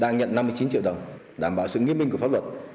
đang nhận năm mươi chín triệu đồng đảm bảo sự nghiêm minh của pháp luật